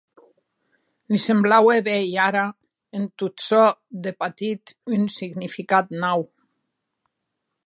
Li semblaue veir, ara, en tot çò de patit un significat nau.